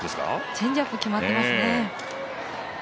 チェンジアップ決まってますね。